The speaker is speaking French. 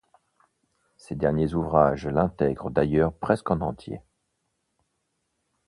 Ces derniers ouvrages l'intègrent d'ailleurs presque en entier.